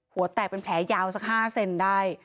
หัวแตกเป็นแผลยาวสัก๕เซนได้